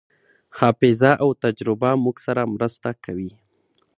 حافظه او تجربه موږ سره مرسته کوي.